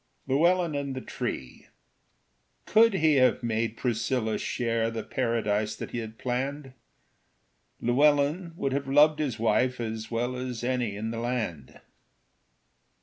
Llewellyn and the Tree Could he have made Priscilla share The paradise that he had planned, Llewellyn would have loved his wife As well as any in the land.